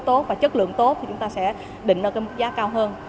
tốt và chất lượng tốt thì chúng ta sẽ định ra cái mức giá cao hơn